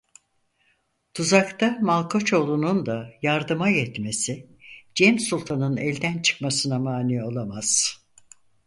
Tuzakta Malkaçoğlunun da yardıma yetmesi Cem Sultanın elden çıkmasına mani olamaz.